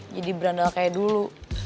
jadi berandal kayak dulu